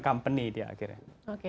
company dia akhirnya